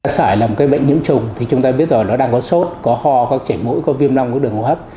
sởi là một bệnh nhiễm trùng chúng ta biết rằng nó đang có sốt có hò có chảy mũi có viêm nông có đường hô hấp